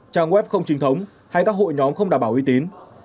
công trình thống hay các hội nhóm không đảm bảo uy tín